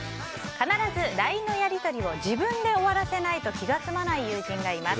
必ずＬＩＮＥのやり取りを自分で終わらせないと気が済まない友人がいます。